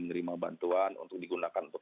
menerima bantuan untuk digunakan untuk